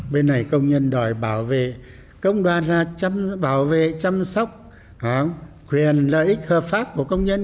bên này công nhân đòi bảo vệ công đoàn ra bảo vệ chăm sóc quyền lợi ích hợp pháp của công nhân